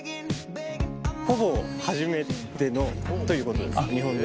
ほぼ初めてのということです日本の。